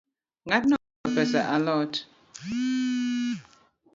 Ng’atno be ochulo pesa a lot?